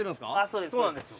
そうですそうなんですよ